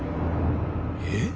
えっ？